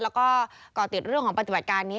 แล้วก็ก่อติดเรื่องของปฏิบัติการนี้